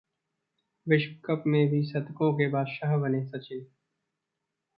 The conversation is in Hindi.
विश्व कप में भी शतकों के बादशाह बने सचिन